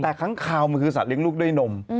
แต่ค้างคาวมันคือสัตเลี้ยลูกด้วยนม